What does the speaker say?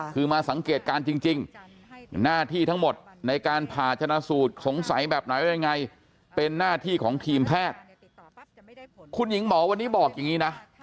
คือมาสังเกตการณ์จริงหน้าที่ทั้งหมดในการผ่าชนะสูตรสงสัยแบบไหนว่ายังไง